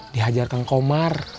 dihajar kang komar